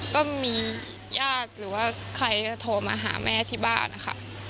ก็มีญาติหรือว่าใครโทรมาหาแม่ที่บ้านนะคะ